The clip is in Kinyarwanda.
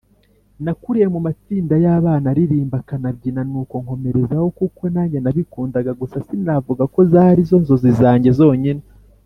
Nakuriye mu matsinda y’abana aririmba akanabyina nuko nkomerezaho kuko nange nabikundaga. Gusa sinavuga ko zari zo nzozi zange zonyine.